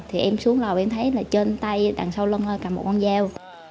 thì em xuống lầu em thấy là trên tay đằng sau lông cầm một con dao